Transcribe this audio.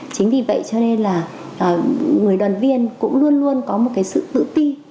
chính vì vậy cho nên là người đoàn viên cũng luôn luôn có một cái sự tự ti